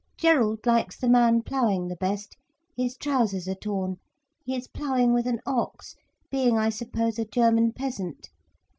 Gerald likes the man ploughing the best, his trousers are torn, he is ploughing with an ox, being I suppose a German peasant.